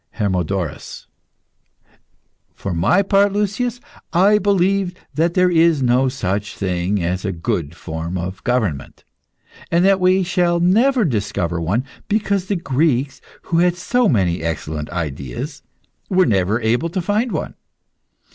HERMODORUS. For my part, Lucius, I believe that there is no such thing as a good form of government, and that we shall never discover one, because the Greeks, who had so many excellent ideas, were never able to find one.